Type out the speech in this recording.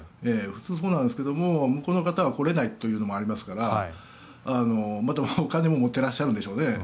普通、そうなんですが向こうの方は来れないというのもありますから完全に持ってらっしゃるんでしょうね。